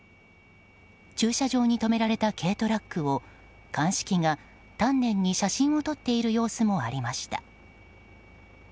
駐車場に止められた軽トラックを鑑識が丹念に写真を撮っている様子もありました。